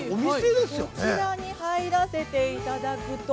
こちらに入らせていただくと。